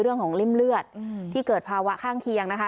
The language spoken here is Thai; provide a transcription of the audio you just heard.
เรื่องของริ่มเลือดที่เกิดภาวะข้างเคียงนะคะ